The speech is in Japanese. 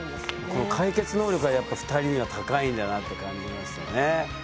この解決能力はやっぱ２人には高いんだなって感じましたね。